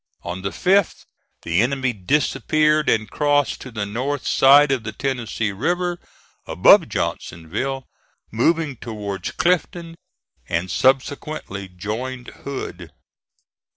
On the 5th the enemy disappeared and crossed to the north side of the Tennessee River, above Johnsonville, moving towards Clifton, and subsequently joined Hood.